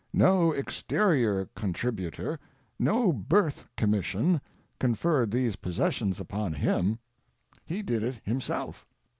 No exterior contributor, no birth commission, conferred these possessions upon Him; He did it Himself.